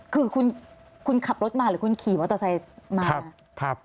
คือคุณขับรถมาหรือคุณขี่มอเตอร์ไซค์มา